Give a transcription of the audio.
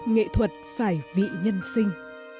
nghệ thuật phải vị nhân sinh